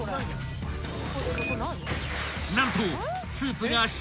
［何と］